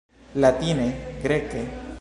Latine? Greke?